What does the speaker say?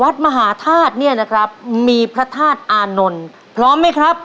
วัดมหาธาตุเนี่ยนะครับมีพระธาตุอานนท์พร้อมไหมครับ